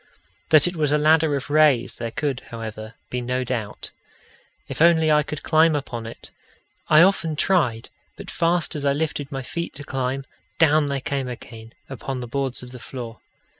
That it was a ladder of rays there could, however, be no doubt: if only I could climb upon it! I often tried, but fast as I lifted my feet to climb, down they came again upon the boards of the floor.